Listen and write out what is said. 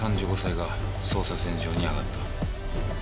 ３５歳が捜査線上にあがった。